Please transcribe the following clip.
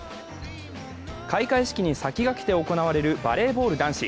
開会式に先駆けて行われるバレーボール男子。